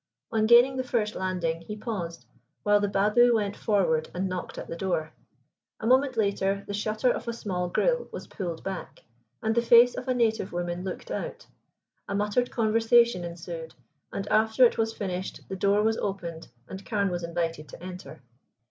On gaining the first landing he paused while the Babu went forward and knocked at the door. A moment later the shutter of a small grille was pulled back, and the face of a native woman looked out. A muttered conversation ensued, and after it was finished the door was opened and Carne was invited to enter.